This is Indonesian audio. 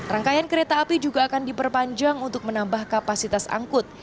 rangkaian kereta api juga akan diperpanjang untuk menambah kapasitas angkut